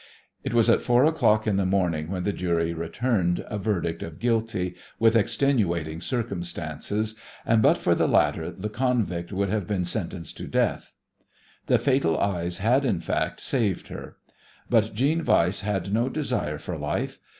It was at four o'clock in the morning when the jury returned a verdict of guilty, "with extenuating circumstances," and but for the latter the convict would have been sentenced to death. The fatal eyes had, in fact, saved her; but Jeanne Weiss had no desire for life.